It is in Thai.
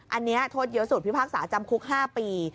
อันนี้โทษเยอะสุดพิพากษาจำคุก๕ปี